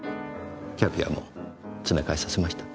キャビアも詰め替えさせました？